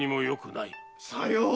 さよう。